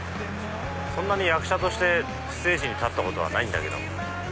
そんなに役者としてステージに立ったことはないんだけど。